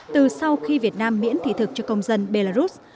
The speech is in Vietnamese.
từ sau khi việt nam miễn thị thực cho công dân belarus